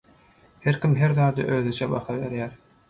Herkim her zada özüçe baha berýär.